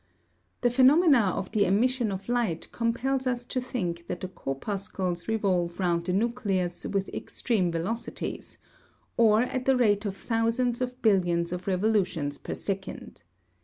The phenomena of the emission of light compels us to think that the corpuscles revolve round the nucleus with extreme velocities, or at the rate of thousands of billions of evolutions per second.